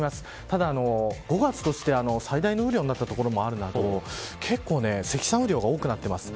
ただ５月として最大の雨量になった所もあるなど結構、積算雨量が多くなっています。